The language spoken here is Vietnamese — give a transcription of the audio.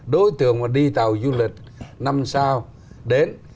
đối tượng mà đi tàu du lịch năm sao đến